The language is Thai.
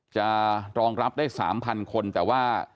รองรับได้๓๐๐คนแต่ว่า